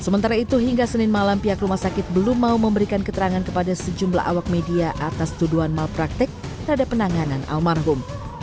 sementara itu hingga senin malam pihak rumah sakit belum mau memberikan keterangan kepada sejumlah awak media atas tuduhan malpraktek terhadap penanganan almarhum